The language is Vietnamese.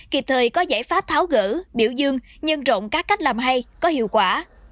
kịp thời có giải pháp tháo gử biểu dương nhân rộn các cách làm hay có hiệu quả